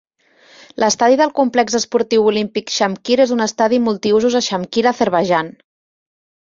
L'estadi del complex esportiu olímpic Shamkir és un estadi multi-usos a Shamkir, Azerbaijan.